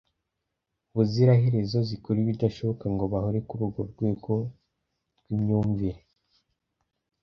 ubuziraherezo zikora ibishoboka ngo bahore kuri urwo rwego rw'imyumvire